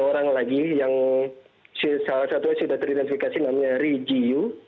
tiga orang lagi yang salah satunya sudah teridentifikasi namanya ri ji yoo